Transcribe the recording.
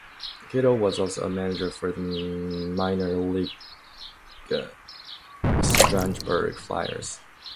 Kittle was also a manager for the minor league Schaumburg Flyers.